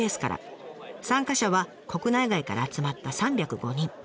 参加者は国内外から集まった３０５人。